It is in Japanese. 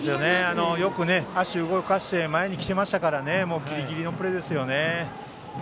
よく足を動かして前に来ていましたからギリギリのプレーですよね。